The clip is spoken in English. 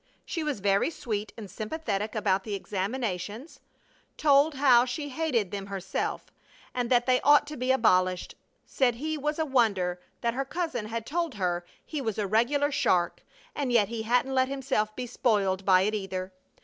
She was very sweet and sympathetic about the examinations, told how she hated them herself and thought they ought to be abolished; said he was a wonder, that her cousin had told her he was a regular shark, and yet he hadn't let himself be spoiled by it, either.